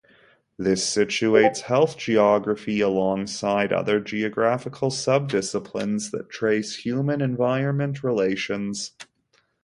This situates health geography alongside other geographical sub-disciplines that trace human-environment relations.